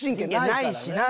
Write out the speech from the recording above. ないしな。